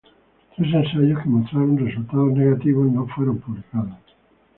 Tres ensayos que mostraron resultados negativos no fueron publicados.